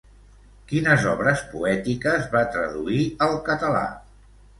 Quines obres poètiques va traduir al català?